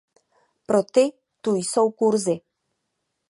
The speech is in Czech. Pro ty tu jsou kurzy.